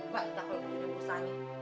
bantah kalau begitu pusani